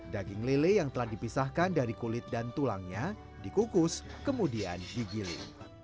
daging lele yang telah dikukus kemudian digiling